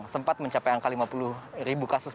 sempat mencapai angka lima puluh ribu kasus